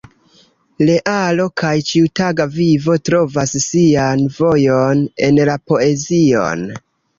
Realo kaj ĉiutaga vivo trovas sian vojon en la poezion.